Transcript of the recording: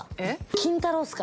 『金太郎』っすか？